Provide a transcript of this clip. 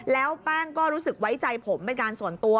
แล้วแป้งก็รู้สึกไว้ใจผมเป็นการส่วนตัว